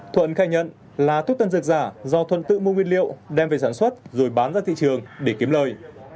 thuận khai nhận là thuốc tân dược giả do thuận tự mua nguyên liệu đem về sản xuất rồi bán ra thị trường để kiếm lời